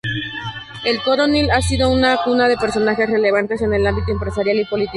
El Coronil ha sido cuna de personajes relevantes en el ámbito empresarial y político.